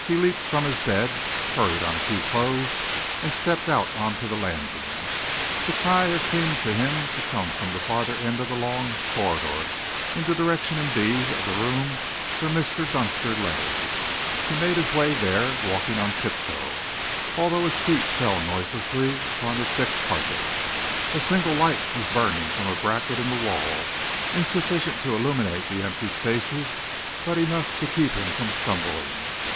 He leaped from his bed, hurried on a few clothes, and stepped out on to the landing. The cry had seemed to him to come from the further end of the long corridor in the direction, indeed, of the room where Mr. Dunster lay. He made his way there, walking on tiptoe, although his feet fell noiselessly upon the thick carpet. A single light was burning from a bracket in the wall, insufficient to illuminate the empty spaces, but enough to keep him from stumbling.